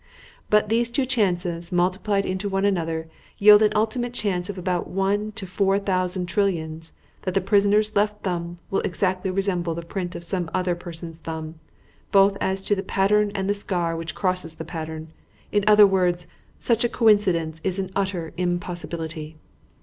But these two chances, multiplied into one another, yield an ultimate chance of about one to four thousand trillions that the prisoner's left thumb will exactly resemble the print of some other person's thumb, both as to the pattern and the scar which crosses the pattern; in other words such a coincidence is an utter impossibility."